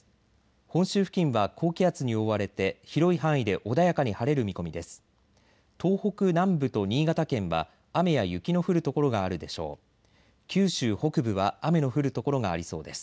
本州付近は高気圧に覆われて広い範囲で穏やかに晴れる見込みです。